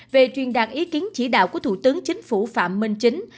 về truyền đạt ý kiến chỉ đạo của thủ tướng chính phủ phạm minh chính